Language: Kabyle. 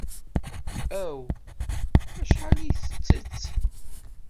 Aw! Acḥal ay ittett!